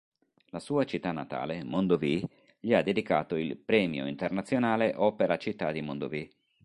La sua città natale, Mondovì, gli ha dedicato il "Premio Internazionale “Opera-Città di Mondovì".